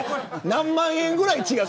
何万円ぐらい違う。